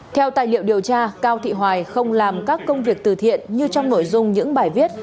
theo tài liệu điều tra cao thị hoài không làm các công việc từ thiện như trong nội dung những bài viết